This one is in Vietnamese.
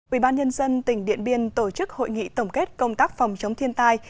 ủy ban nhân dân tỉnh điện biên tổ chức hội nghị tổng kết công tác phòng chống thiên tai